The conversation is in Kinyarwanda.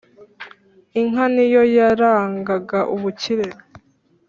inka ni yo yarangaga ubukire.